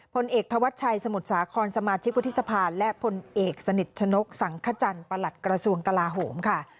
พลเอกธวัชชัยสมุทรสาครสมาชิกวุฒิสภาและพลเอกสนิทชนกสังขจันทร์ประหลัดกระทรวงกลาโหมค่ะ